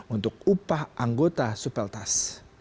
untuk upah anggota supeltas